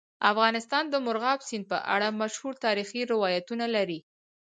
افغانستان د مورغاب سیند په اړه مشهور تاریخی روایتونه لري.